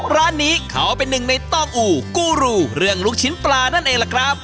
ร้านนี้เขาเป็นหนึ่งในตองอูกูรูเรื่องลูกชิ้นปลานั่นเองล่ะครับ